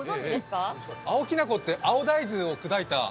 青きなこって青大豆を砕いた